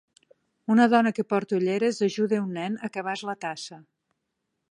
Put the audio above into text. Una dona que porta olleres ajuda un nen a acabar-se la tassa